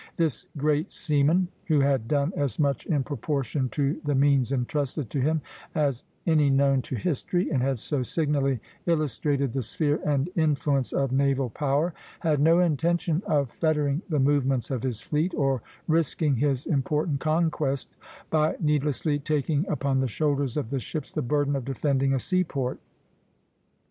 This great seaman, who had done as much in proportion to the means intrusted to him as any known to history, and had so signally illustrated the sphere and influence of naval power, had no intention of fettering the movements of his fleet, or risking his important conquest, by needlessly taking upon the shoulders of the ships the burden of defending a seaport.